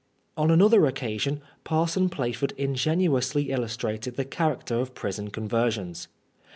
On another occasion. Parson Plaford ingenuously illustrated the character of prison conversions.